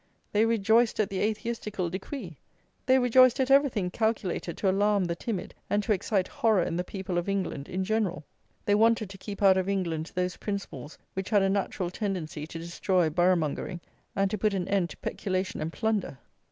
They rejoiced at the atheistical decree. They rejoiced at everything calculated to alarm the timid and to excite horror in the people of England in general. They wanted to keep out of England those principles which had a natural tendency to destroy borough mongering, and to put an end to peculation and plunder.